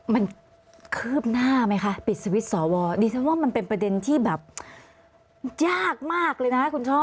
มันคืบหน้าไหมคะปิดสวิตชอวอดิฉันว่ามันเป็นประเด็นที่แบบยากมากเลยนะคุณช่อ